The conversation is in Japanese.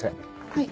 はい。